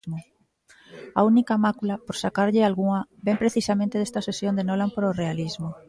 A única mácula, por sacarlle algunha, vén precisamente desta obsesión de Nolan polo realismo.